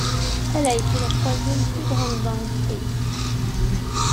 Elle a été la troisième plus grande banque du pays.